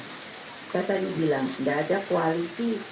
saya tadi bilang tidak ada koalisi